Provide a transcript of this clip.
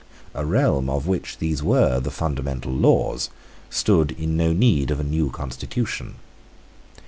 A realm of which these were the fundamental laws stood in no need of a new constitution.